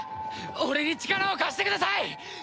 俺に力を貸してください！